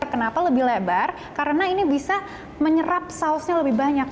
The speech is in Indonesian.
kenapa lebih lebar karena ini bisa menyerap sausnya lebih banyak